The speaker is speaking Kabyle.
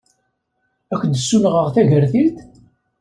Ad ak-d-ssunɣeɣ tagertilt?